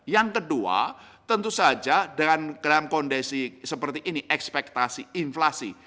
yang kedua tentu saja dalam kondisi seperti ini ekspektasi inflasi